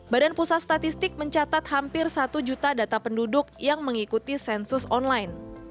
badan pusat statistik mencatat hampir satu juta data penduduk yang mengikuti sensus online